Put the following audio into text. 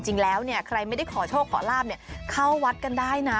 จริงแล้วเนี่ยใครไม่ได้ขอโชคขอลาบเข้าวัดกันได้นะ